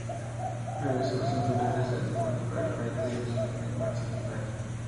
Realizó las inferiores en el Waitakere United y en el Birmingham City "B".